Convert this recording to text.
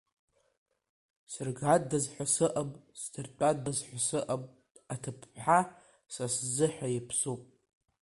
Сыргандаз ҳәа сыҟам, сдыртәандаз ҳәа сыҟам, аҭыԥ-ԥха са сзыҳәа иԥсуп…